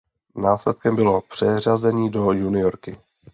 Následkem bylo přeřazení do juniorky.